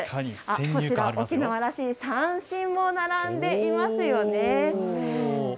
こちら、沖縄らしい三線も並んでいますよ。